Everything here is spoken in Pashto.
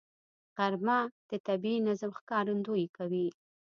غرمه د طبیعي نظم ښکارندویي کوي